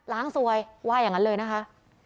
สวยว่าอย่างนั้นเลยนะคะ